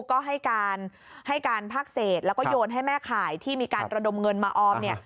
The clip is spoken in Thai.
ก็ให้การภักษีเสร็จแล้วก็โยนให้แม่ขายที่มีการระดมเงินมาออม